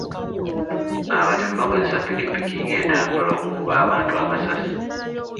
Abatembu bakozesa ppikipiki ng'entambula okukuba abantu amasasi.